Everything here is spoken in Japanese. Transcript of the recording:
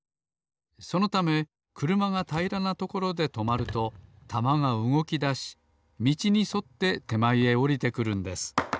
そのためくるまがたいらなところでとまるとたまがうごきだしみちにそっててまえへおりてくるんです。